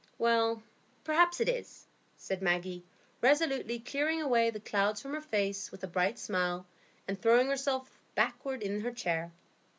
"Well, perhaps it is," said Maggie, resolutely clearing away the clouds from her face with a bright smile, and throwing herself backward in her chair.